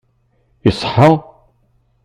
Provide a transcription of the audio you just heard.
Iṣeḥḥa?